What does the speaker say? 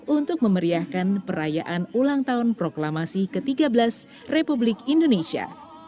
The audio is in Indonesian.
untuk memeriahkan perayaan ulang tahun proklamasi ke tiga belas republik indonesia